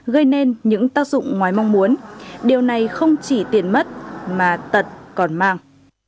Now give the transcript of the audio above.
gây nên những tác dụng ngoài mong muốn điều này không chỉ tiền mất mà tật còn mang